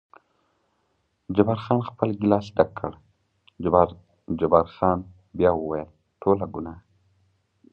جبار خان خپل ګیلاس ډک کړ، جبار خان بیا وویل: ټوله ګناه.